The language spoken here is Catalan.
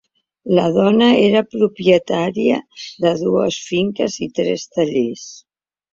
La dona era propietària de dues finques i tres tallers.